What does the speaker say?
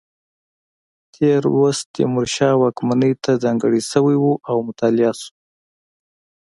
تېر لوست تیمورشاه واکمنۍ ته ځانګړی شوی و او مطالعه شو.